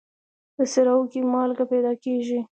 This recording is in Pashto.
په صحراوو کې مالګه پیدا کېږي.